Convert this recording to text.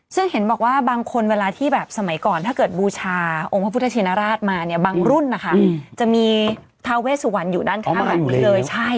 ซึ่งเห็นบอกว่าบางคนเวลาที่แบบสมัยก่อนถ้าเกิดบูชาองค์พระพุทธชินราชมาเนี่ยบางรุ่นนะคะจะมีทาเวสวรรค์อยู่ด้านข้างแบบนี้เลยใช่